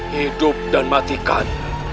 hidup dan matikan